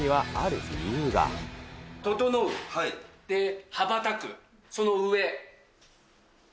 ととのう、で、はばたく、そのうえ、え？